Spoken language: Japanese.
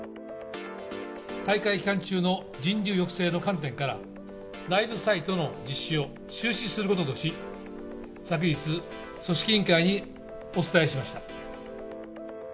大会期間中の人流抑制の観点から、ライブサイトの実施を中止することとし、昨日、組織委員会にお伝えしました。